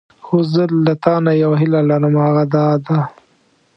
خو زه له تانه یوه هیله لرم او هغه دا ده.